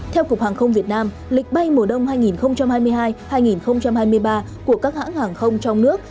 theo cục hàng không việt nam lịch bay mùa đông hai nghìn hai mươi hai hai nghìn hai mươi ba của các hãng hàng không trong nước